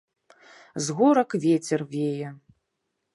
З горак вецер вее.